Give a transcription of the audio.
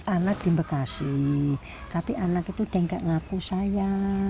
anak di bekasi tapi anak itu udah gak ngaku saya